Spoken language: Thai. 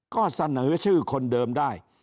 ก็เสนอชื่อคนเดิมได้